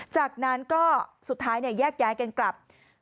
จากนั้นก็สุดท้ายแยกย้ายกันกลับ